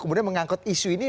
kemudian mengangkut isu ini